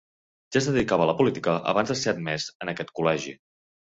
Ja es dedicava a la política abans de ser admès en aquest col·legi.